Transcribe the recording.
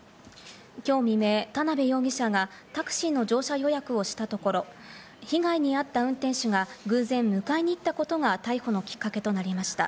今日未明、田辺容疑者がタクシーの乗車予約をしたところ、被害に遭った運転手が、偶然迎えに行ったことが逮捕のきっかけとなりました。